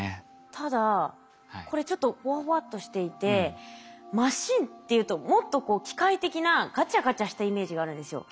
ただこれちょっとほわほわっとしていてマシンっていうともっと機械的なガチャガチャしたイメージがあるんですよ。